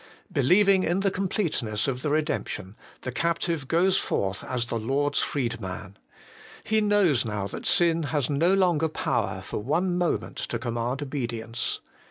Believing in the completeness of the redemption, the captive goes forth as ' the Lord's freedman.' He knows now that sin has no longer power for one moment to command obedience.